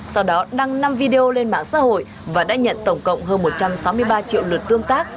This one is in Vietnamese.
sau đó đăng năm video lên mạng xã hội và đã nhận tổng cộng hơn một trăm sáu mươi ba triệu lượt tương tác